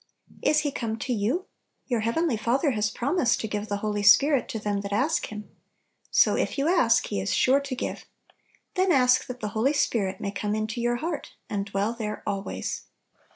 Is He come to you? Tour heavenly Father has promised to give the Holy Spirit to them that ask Him. So, if you ask, He is sure to give. Then ask that the Holy Spirit may come into your heart, and dwell there always.